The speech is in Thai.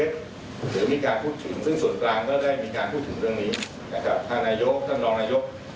ท่านนายกท่านรองนายก